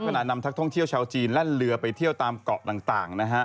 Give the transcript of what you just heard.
นำนักท่องเที่ยวชาวจีนแล่นเรือไปเที่ยวตามเกาะต่างนะฮะ